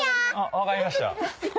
分かりました。